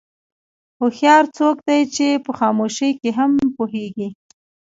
هوښیار څوک دی چې په خاموشۍ کې هم پوهېږي.